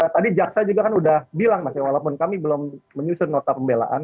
tadi jaksa juga kan udah bilang mas ya walaupun kami belum menyusun nota pembelaan